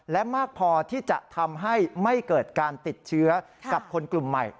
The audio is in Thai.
และมากพอที่จะทำให้ไม่เกิดการติดเชื้อกับคนกลุ่มใหม่